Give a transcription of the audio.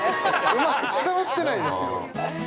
うまく伝わってないですよ。